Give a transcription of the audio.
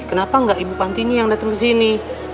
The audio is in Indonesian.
kenapa gak ibu pantinya yang datang kesini